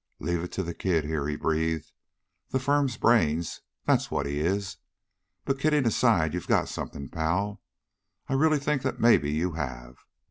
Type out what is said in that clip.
"Leave it to the kid, here!" he breathed. "The firm's brains, that's what he is. But, kidding aside, you've got something, pal. I really think that maybe you have.